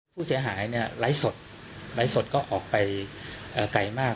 ผู้เสียหายเนี่ยไลฟ์สดไลฟ์สดก็ออกไปไกลมาก